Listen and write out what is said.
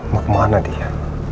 mau kemana dia